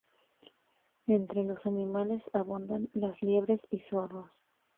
Entre los animales abundan las liebres y zorros.